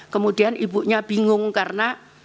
kemudian ibunya bingung karena